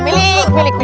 di luar nasional